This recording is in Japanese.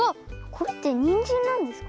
これってにんじんなんですか？